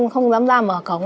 không dám ra mở cổng